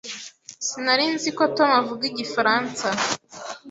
Sinari nzi ko Tom avuga igifaransa.